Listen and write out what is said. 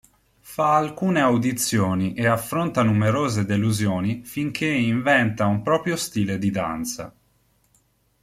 Fa alcune audizioni e affronta numerose delusioni, finché inventa un proprio stile di danza.